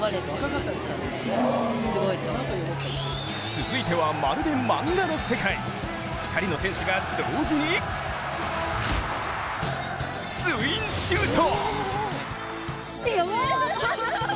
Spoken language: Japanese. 続いては、まるで漫画の世界、２人の選手が同時にツインシュート！